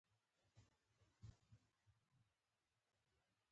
دا هغه کار دی چې په تولید لګول شوی دی